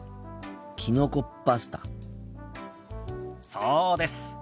そうです。